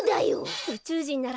うちゅうじんならよ